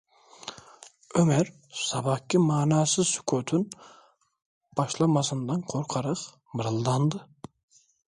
Ömer sabahki manasız sükûtun başlamasından korkarak mırıldandı.